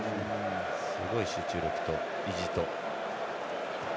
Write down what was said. すごい集中力と意地と。